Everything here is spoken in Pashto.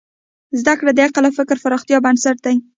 زدهکړه د عقل او فکر پراختیا بنسټ دی.